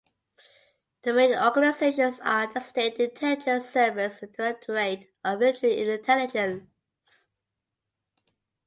The main organisations are the State Intelligence Service and the Directorate of Military Intelligence.